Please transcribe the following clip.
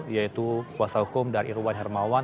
yaitu kuasa hukum dari irwan hermawan